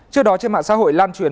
trước đó trên mạng xã hội lan truyền